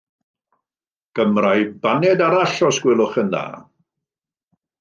Gymra i baned arall os gwelwch yn dda.